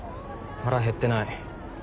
腹減ってない。